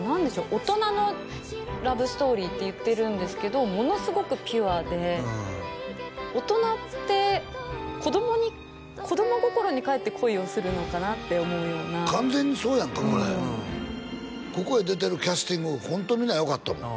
大人のラブストーリーって言ってるんですけどものすごくピュアで大人って子供に子供心にかえって恋をするのかなって思うような完全にそうやんかこれうんここへ出てるキャスティングホント皆よかったもん